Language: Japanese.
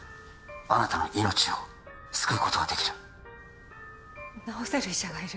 あなたの命を救うことができる治せる医者がいる？